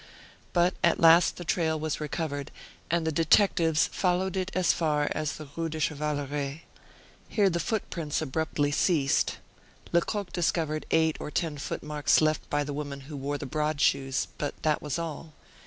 But at last the trail was recovered, and the detectives followed it as far as the Rue du Chevaleret. Here the footprints abruptly ceased. Lecoq discovered eight or ten footmarks left by the woman who wore the broad shoes, but that was all.